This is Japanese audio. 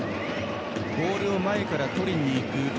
ボールを前からとりにいく。